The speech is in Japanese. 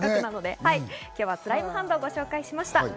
今日はスライムハンドをご紹介しました。